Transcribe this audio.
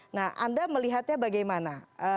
nah anda melihatnya bagaimana